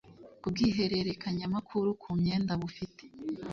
kubw’ihererekanyamakuru ku myenda bufite